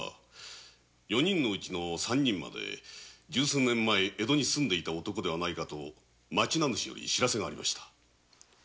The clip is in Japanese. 四人のうち三人は十数年前江戸に住んでいた男ではないかと町名主より知らせがありました。